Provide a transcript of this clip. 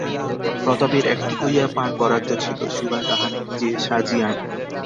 প্রতাপের একটি করিয়া পান বরাদ্দ ছিল, সুভা তাহা নিজে সাজিয়া আনিত।